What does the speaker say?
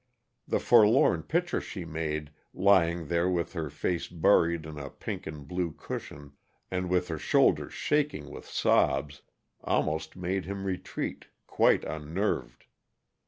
The forlorn picture she made, lying there with her face buried in a pink and blue cushion, and with her shoulders shaking with sobs, almost made him retreat, quite unnerved.